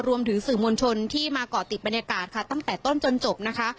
รวมถึงสื่อมวลชนที่มาเกาะติดบรรยากาศค่ะตั้งแต่ต้นจนจบนะคะ